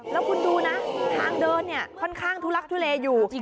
แล้วคุณดูนะทางเดินเนี่ยค่อนข้างทุลักทุเลอยู่